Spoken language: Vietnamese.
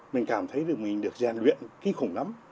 mình cảm thấy được mình được gian luyện kỳ khủng lắm